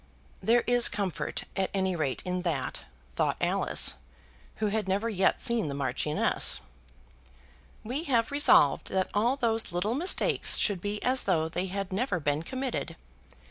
There is comfort at any rate in that, thought Alice, who had never yet seen the Marchioness. "We have resolved that all those little mistakes should be as though they had never been committed.